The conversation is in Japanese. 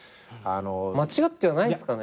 間違ってはないんすかね？